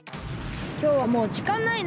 きょうはもうじかんないな。